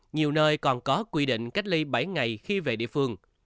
nhiều nơi còn có quy định cách ly bảy ngày khi về địa phương